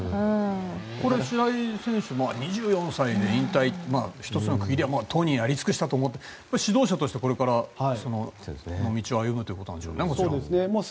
白井選手２４歳で引退という１つの区切り当人はやりつくしたと思うけど指導者としてこれから道を歩むということでしょうか。